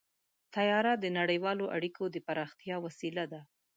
طیاره د نړیوالو اړیکو د پراختیا وسیله ده.